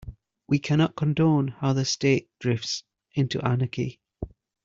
We cannot condone how the state drifts into anarchy.